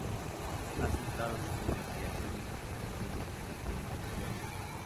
Ha centrado sus investigaciones preferentemente en el tema social y económico.